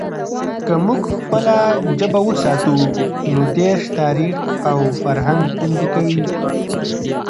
که موږ خپله ژبه وساتو، نو دیرش تاریخ او فرهنگ خوندي کړي.